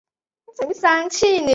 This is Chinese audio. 维涅厄勒人口变化图示